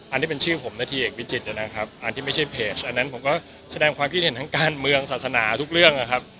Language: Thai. อันที่ไม่ใช่เพจอันนั้นผมก็แสดงความคิดเห็นทั้งการเมืองศาสนาทุกเรื่องนะครับ